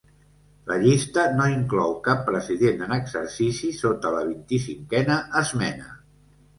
La llista no inclou cap president en exercici sota la vint-i-cinquena esmena.